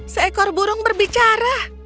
seekor burung berbicara